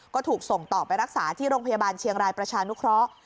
ก็ถูกส่งต่อไปรักษาที่โรงพยาบาลเชียงรายประชานุเคราะห์